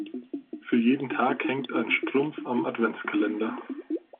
Für jeden Tag hängt ein Strumpf am Adventskalender.